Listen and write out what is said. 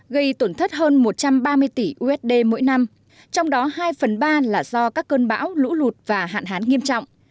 gây tổn thất hơn một trăm ba mươi tỷ usd mỗi năm trong đó hai phần ba là do các cơn bão lũ lụt và hạn hán nghiêm trọng